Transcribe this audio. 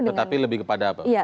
tetapi lebih kepada apa